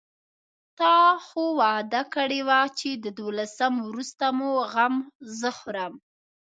تا خو وعده کړې وه چې د دولسم وروسته مو غم زه خورم.